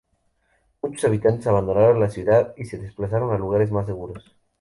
Muchos habitantes abandonaron la ciudad y se desplazaron a lugares más seguros.